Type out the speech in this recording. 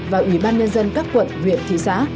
và ủy ban nhân dân các quận huyện thị xã